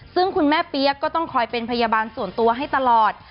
ซึ่งคุณแม่เปี๊ยกก็ต้องคอยเป็นพยาบาลส่วนตัวให้ตลอด